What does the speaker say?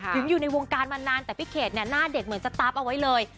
อยู่ในวงการมานานแต่พี่เขตเนี่ยหน้าเด็กเหมือนสตาร์ฟเอาไว้เลย